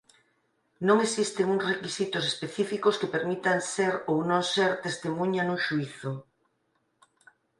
Non existen uns requisitos específicos que permitan ser ou non ser testemuña nun xuízo.